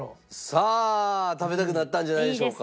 さあ食べたくなったんじゃないでしょうか？